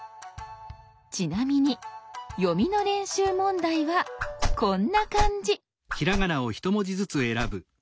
ちなみに読みの練習問題はこんな感じ。